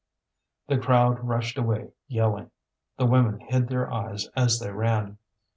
The crowd rushed away yelling. The women hid their eyes as they ran.